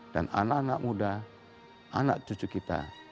dan anak anak muda anak cucu kita